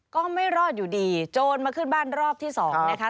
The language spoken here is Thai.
ก็ไม่รอดอยู่ดีโจรมาขึ้นบ้านรอบที่สองนะคะ